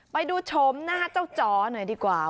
ไปดูชมหน้าเจ้าจ๋อหน่อยดีกว่า